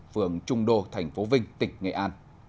phường trung đô tp vinh tỉnh nghệ an